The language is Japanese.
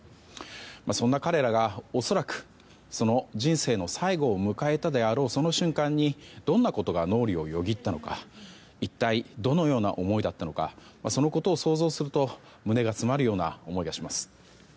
そんな彼らが、恐らく人生の最期を迎えたであろうその瞬間に、どんなことが脳裏をよぎったのか一体どのような思いだったのかそのことを想像すると胸が詰まるような思いがします。